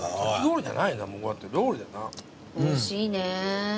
おいしいね。